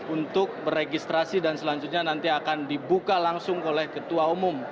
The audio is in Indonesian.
untuk beregistrasi dan selanjutnya nanti akan dibuka langsung oleh ketua umum